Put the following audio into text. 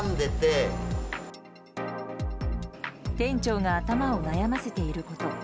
店長が頭を悩ませていること。